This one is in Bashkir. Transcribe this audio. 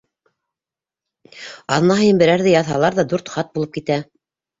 Аҙна һайын берәрҙе яҙһалар ҙа дүрт хат булып китә.